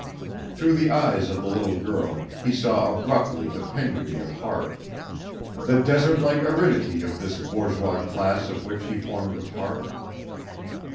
Through the eyes of the little girl he saw abruptly the penury of heart, the desert like aridity of this bourgeois class of which he formed a part.